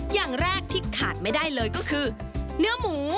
อย่างแรกที่ขาดไม่ได้เลยก็คือ